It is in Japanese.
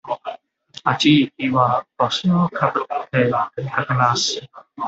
暑い日は帽子をかぶって出かけます。